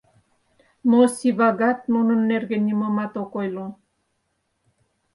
Но Сивагат нунын нерген нимомат ок ойло.